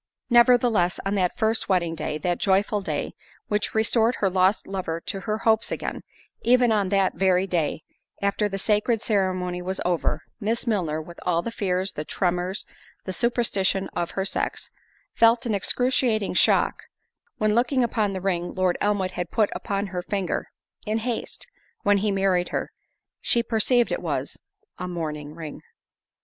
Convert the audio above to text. Nevertheless, on that first wedding day, that joyful day, which restored her lost lover to her hopes again; even on that very day, after the sacred ceremony was over, Miss Milner—(with all the fears, the tremors, the superstition of her sex)—felt an excruciating shock; when, looking on the ring Lord Elmwood had put upon her finger, in haste, when he married her, she perceived it was a—mourning ring.